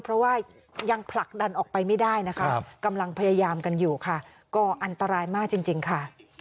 เพราะว่ายังผลักดันออกไปไม่ได้นะคะกำลังพยายามกันอยู่ค่ะก็อันตรายมากจริงค่ะ